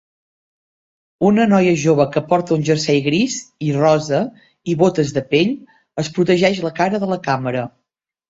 Una noia jove que porta un jersei gris i rosa i botes de pell es protegeix la cara de la càmera